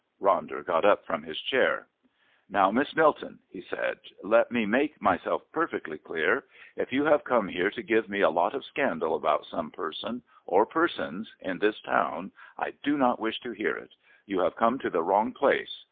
Ronder got up from his chair. "Now, Miss Milton," he said, "let me make myself perfectly clear. If you have come here to give me a lot of scandal about some person, or persons, in this town, I do not wish to hear it. You have come to the wrong place.